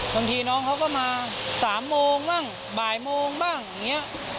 บางทีน้องเขาก็มา๓โมงบ้างบ่ายโมงบ้างอย่างนี้